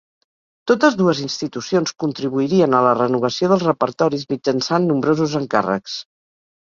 Totes dues institucions contribuirien a la renovació dels repertoris mitjançant nombrosos encàrrecs.